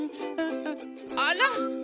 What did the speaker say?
あら！